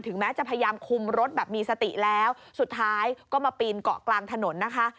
แม้จะพยายามคุมรถแบบมีสติแล้วสุดท้ายก็มาปีนเกาะกลางถนนนะคะ